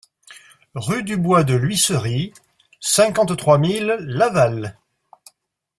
Rue du Bois de l'Huisserie, cinquante-trois mille Laval